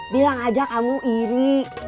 bilang saja kamu iri